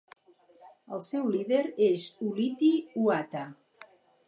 El seu líder és Uliti Uata.